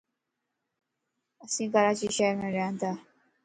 اسين ڪراچي شھر مَ ريان تان